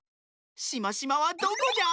しましまはどこじゃ？